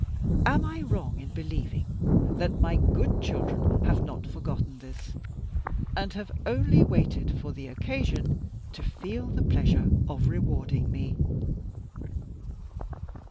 Am I wrong in believing that my good children have not forgotten this, and have only waited for the occasion to feel the pleasure of rewarding me?"